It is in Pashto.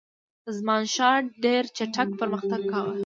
زمانشاه ډېر چټک پرمختګ کاوه.